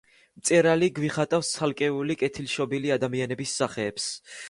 მწერალი გვიხატავს ცალკეული კეთილშობილი ადამიანების სახეებს.